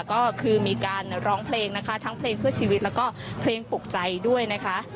ก็คือมีการร้องเพลงนะคะทั้งเพลงเพื่อชีวิตแล้วก็เพลงปกใจด้วยนะคะ